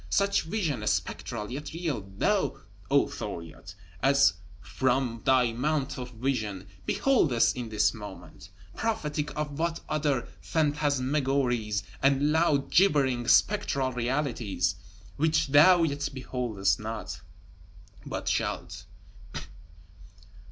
Such vision (spectral, yet real) thou, O Thuriot, as from thy Mount of Vision, beholdest in this moment: prophetic of what other Phantasmagories and loud gibbering Spectral Realities which thou yet beholdest not, but shalt!